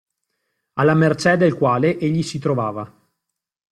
Alla mercé del quale egli si trovava.